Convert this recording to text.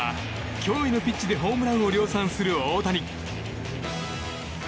驚異のピッチでホームランを量産する大谷。